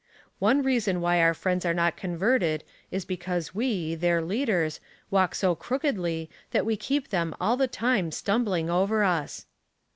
" One reason why onr friends are not converted is because we, their leaders, walk so crookedly that we keep them all the time stumbling over us."